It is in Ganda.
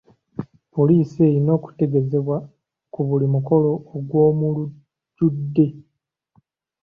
Poliisi erina okutegeezebwa ku buli mukolo ogw'omulujjudde.